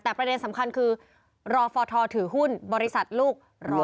แต่ประเด็นสำคัญคือรอฟทถือหุ้นบริษัทลูก๑๐๐